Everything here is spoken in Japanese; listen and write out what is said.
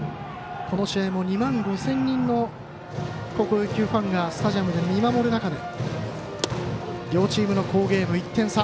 この試合も２万５０００人の高校野球ファンがスタジアムで見守る中で両チームの好ゲーム１点差。